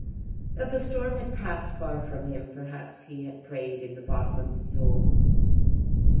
That the storm had passed far from him, perhaps he had prayed in the bottom of his soul.